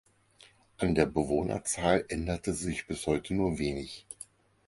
An der Bewohnerzahl änderte sich bis heute nur wenig.